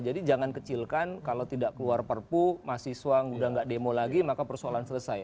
jadi jangan kecilkan kalau tidak keluar perpu mahasiswa udah nggak demo lagi maka persoalan selesai